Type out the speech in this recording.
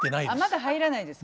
まだ入らないですか？